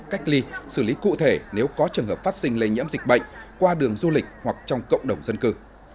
cách ly xử lý cụ thể nếu có trường hợp phát sinh lây nhiễm dịch bệnh qua đường du lịch hoặc trong cộng đồng dân cư